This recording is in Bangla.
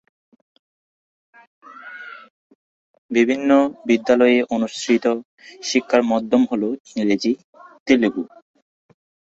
বিভিন্ন বিদ্যালয়ের অনুসৃত শিক্ষার মাধ্যম হল ইংরেজি, তেলুগু।